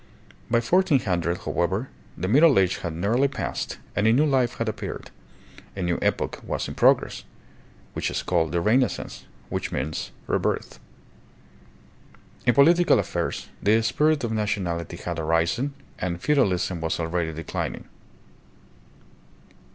By 1400, however, the Middle Age had nearly passed and a new life had appeared, a new epoch was in progress, which is called the Renaissance, which means " rebirth." In political affairs the spirit of nationality had arisen, and feudalism was already declining.